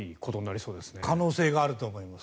可能性があると思います。